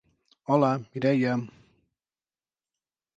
Hola, Mireia.